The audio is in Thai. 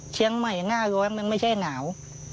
เชียงใหม่หน้าร้อนมันไม่ใช่หนาว